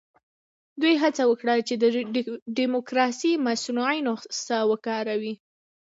دوی هڅه وکړه چې د ډیموکراسۍ مصنوعي نسخه وکاروي.